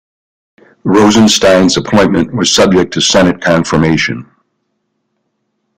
Rosenstein's appointment was subject to Senate confirmation.